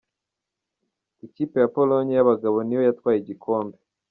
Ikipe ya Pologne y’abagabo niyo yatwaye igikombe.